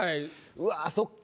うわそっか。